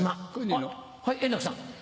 あっはい円楽さん。